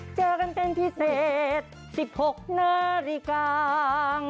เจอกันเป็นพิเศษ๑๖นาฬิกา